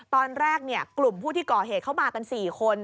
ตอนแรกเนี่ยกลุ่มผู้ที่เกาะเหตุเข้ามากันสี่คน